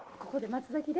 松崎で？